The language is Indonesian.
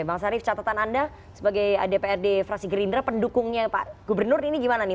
bang sarif catatan anda sebagai dprd fraksi gerindra pendukungnya pak gubernur ini gimana nih